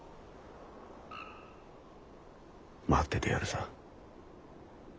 待っててやるさ。